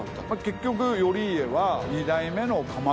結局頼家は。